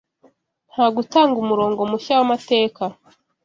nta gutanga umurongo mushya w’amateka